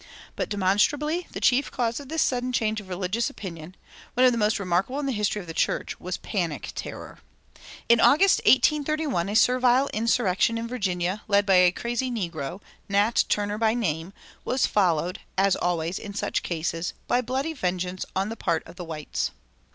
But demonstrably the chief cause of this sudden change of religious opinion one of the most remarkable in the history of the church was panic terror. In August, 1831, a servile insurrection in Virginia, led by a crazy negro, Nat Turner by name, was followed (as always in such cases) by bloody vengeance on the part of the whites.